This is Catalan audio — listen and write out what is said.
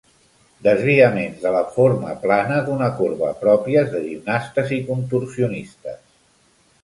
Desviaments de la forma plana d'una corba pròpies de gimnastes i contorsionistes.